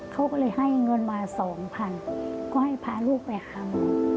เขาก็เลยให้เงินมา๒๐๐๐บาทก็ให้พาลูกไปหาหมอ